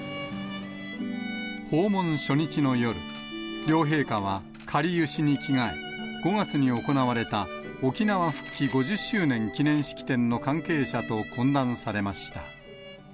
訪問初日の夜、両陛下はかりゆしに着替え、５月に行われた沖縄復帰５０周年記念式典の関係者と懇談されました。